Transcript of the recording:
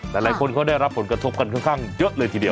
แต่หลายคนเขาได้รับผลกระทบกันค่อนข้างเยอะเลยทีเดียว